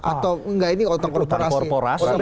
atau nggak ini utang korporasi